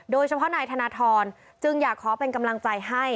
โดยเฉพาะนายธนทรจึงอยากขอเป็นกำลังใจให้